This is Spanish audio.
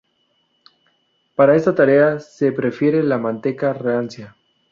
Para esta tarea se prefiere la manteca rancia.